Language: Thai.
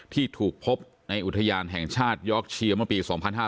ที่ถูกพบในอุทยานแห่งชาติยอกเชียร์เมื่อปี๒๕๕๙